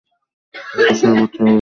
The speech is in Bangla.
লেবুর শরবত, লেবুর রস।